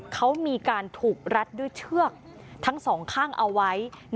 เขามีการถูกรัดด้วยเชือกทั้งสองข้างเอาไว้